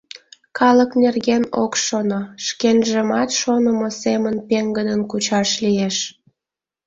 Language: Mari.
Калык нерген ок шоно, шкенжымат шонымо семын пеҥгыдын кучаш лиеш...